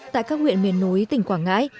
tại các huyện miền núi tỉnh quảng ngãi